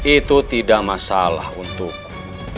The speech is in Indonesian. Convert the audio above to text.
itu tidak masalah untukku